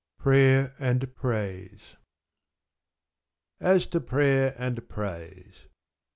PRAYER AND PRAISE As to prayer and praise.